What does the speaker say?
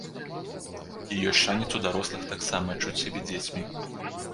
І ёсць шанец у дарослых таксама адчуць сябе дзецьмі.